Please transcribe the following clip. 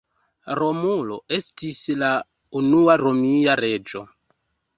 Romulo estis la unua Romia reĝo.